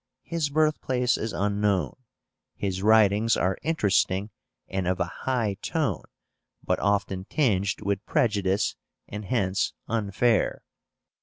His birthplace is unknown. His writings are interesting and of a high tone, but often tinged with prejudice, and hence unfair.